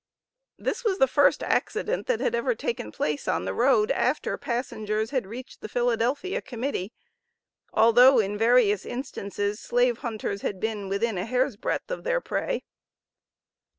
This was the first accident that had ever taken place on the road after passengers had reached the Philadelphia Committee, although, in various instances, slave hunters had been within a hair's breadth of their prey.